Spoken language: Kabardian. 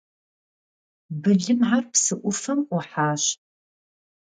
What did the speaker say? Bılımxer psı 'ufem 'uhaş.